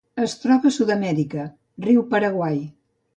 Es troba a Sud-amèrica: riu Paraguai.